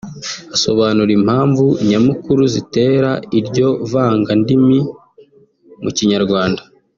asobanura impamvu nyamukuru zitera iryo vangandimi mu Kinyarwanda